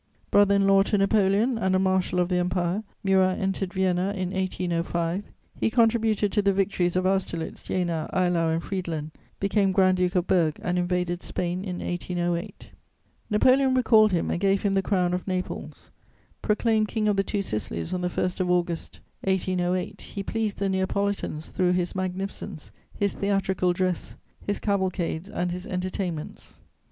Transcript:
Brother in law to Napoleon, and a marshal of the Empire, Murat entered Vienna in 1805; he contributed to the victories of Austerlitz, Jena, Eylau, and Friedland, became Grand duke of Berg, and invaded Spain in 1808. Napoleon recalled him and gave him the Crown of Naples. Proclaimed King of the Two Sicilies on the 1st of August 1808, he pleased the Neapolitans through his magnificence, his theatrical dress, his cavalcades and his entertainments.